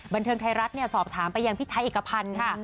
บันเทิงไทยรัฐเนี่ยสอบถามไปยังพิทัยเอกพันธุ์ค่ะ